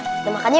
kita makan yuk